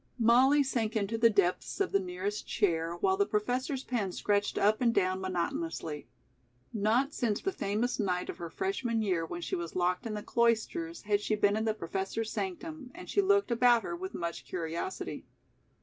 Molly sank into the depths of the nearest chair while the Professor's pen scratched up and down monotonously. Not since the famous night of her Freshman year when she was locked in the cloisters had she been in the Professor's sanctum, and she looked about her with much curiosity.